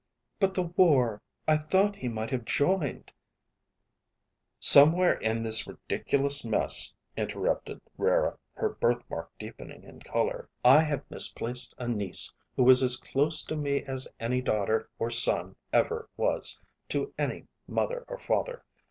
"But the war I thought he might have joined...." "Somewhere in this ridiculous mess," interrupted Rara, her birthmark deepening in color, "I have misplaced a niece who was as close to me as any daughter or son ever was to any mother or father.